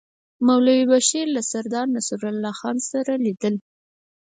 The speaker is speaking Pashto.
مولوي بشیر له سردار نصرالله خان سره لیدل.